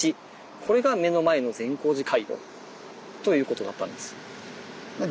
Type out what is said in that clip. これが目の前の善光寺街道ということだったんです。